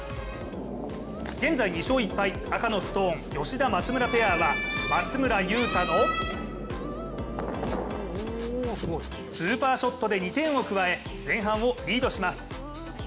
現在２勝１敗、赤のストーン吉田・松村ペアは松村雄太のスーパーショットで２点を加え、前半をリードします。